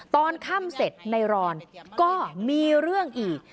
ตอนค่ำเสร็จในรอนก็มีเรื่องอีก